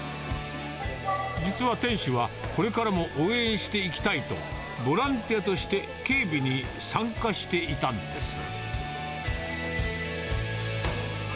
実は店主は、これからも応援していきたいと、ボランティアとして警備に参加していたんです。